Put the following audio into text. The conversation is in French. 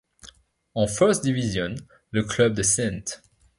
En First Division le club de St.